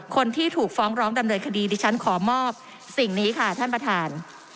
คนที่ถูกฟ้องร้องดำเนินคดีดิฉันขอมอบสิ่งนี้ค่ะท่านประธาน